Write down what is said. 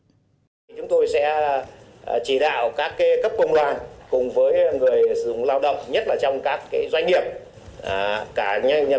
chúng tôi sẽ chỉ đạo các cấp công đoàn cùng với người sử dụng lao động nhất là trong các doanh nghiệp cả